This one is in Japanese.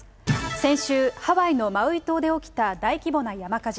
先週、ハワイのマウイ島で起きた大規模な山火事。